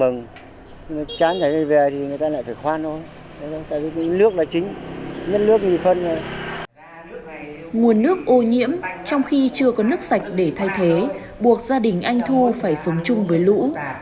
nguồn nước ô nhiễm trong khi chưa có nước sạch để thay thế buộc gia đình anh thu phải sống chung với lũ